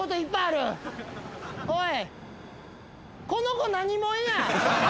おい。